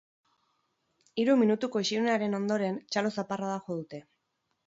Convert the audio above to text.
Hiru minutuko isilunearen ondoren, txalo zaparrada jo dute.